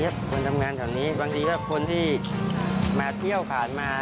บางทีคือคนที่มาเที่ยวผ่านมา